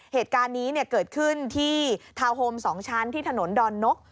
เหตุการณ์นี้เกิดขึ้นที่ทาวน์โฮม๒ชั้นที่ถนนดอนนก